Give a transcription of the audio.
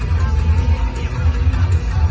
มันเป็นเมื่อไหร่แล้ว